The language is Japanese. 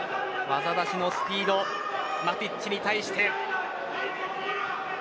技だしのスピードマティッチに対して。